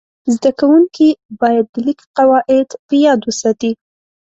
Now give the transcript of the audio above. زده کوونکي باید د لیک قواعد په یاد وساتي.